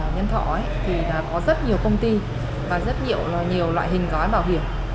nhân thỏ ấy thì đã có rất nhiều công ty và rất nhiều loại hình gói bảo hiểm